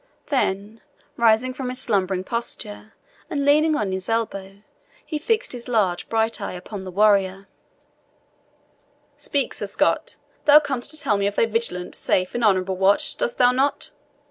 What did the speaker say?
Then rising from his slumbering posture, and leaning on his elbow, he fixed his large bright eye upon the warrior "Speak, Sir Scot; thou comest to tell me of a vigilant, safe, and honourable watch, dost thou not?